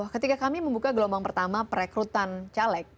ketika kami membuka gelombang pertama perekrutan caleg